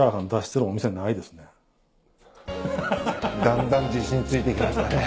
だんだん自信ついてきましたね。